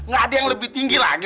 gak ada yang lebih tinggi lagi